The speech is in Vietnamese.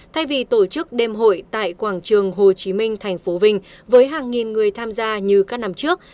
thay vì tổ chức đêm hội tại quảng trường hồ chí minh thành phố vinh với hàng nghìn người tham gia như các năm trước